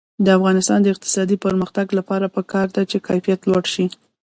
د افغانستان د اقتصادي پرمختګ لپاره پکار ده چې کیفیت لوړ شي.